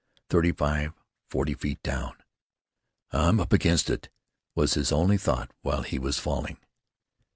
Thirty five, forty feet down. "I'm up against it," was his only thought while he was falling.